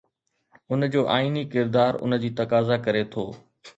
ان جو آئيني ڪردار ان جي تقاضا ڪري ٿو.